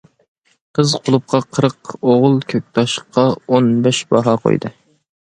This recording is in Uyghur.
قىز قۇلۇپقا قىرىق، ئوغۇل كۆكتاشقا ئون بەش باھا قويدى.